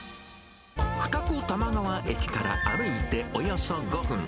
二子玉川駅から歩いておよそ５分。